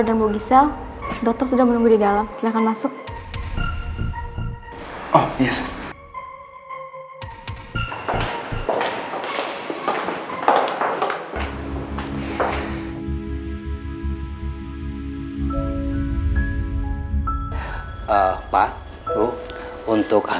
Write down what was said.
sampai jumpa di video selanjutnya